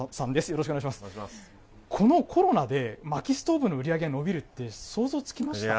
このコロナでまきストーブの売り上げ伸びるって、想像つきました